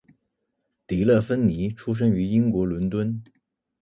迪乐芬妮出生于英国伦敦。